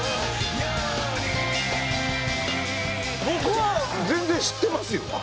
僕は全然知ってますよ。